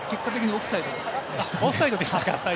オフサイドでしたか。